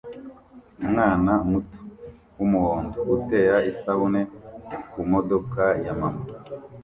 Umwana muto wumuhondo utera isabune kumodoka ya mama